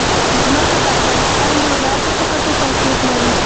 ځمکه د افغانستان د ولایاتو په کچه توپیر لري.